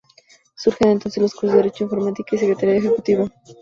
Surgen entonces los cursos de Derecho, Informática y Secretariado Ejecutivo.